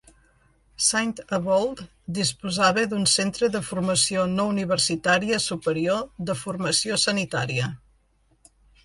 Saint-Avold disposava d'un centre de formació no universitària superior de formació sanitària.